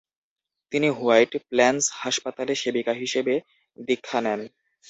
তিনি White Plains হাসপাতালে সেবিকা হিসেবে দীক্ষা নেন।